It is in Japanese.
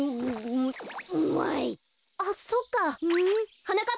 あっそっか。